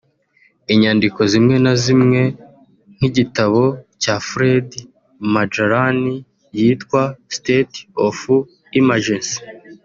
Inyandiko zimwe na zimwe nk’igitabo cya Fred Majdalany yitwa State of Emergency